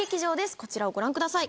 こちらをご覧ください。